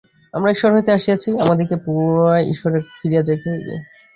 আমরা ঈশ্বর হইতে আসিয়াছি, আমাদিগকে পুনরায় ঈশ্বরে ফিরিয়া যাইতেই হইবে।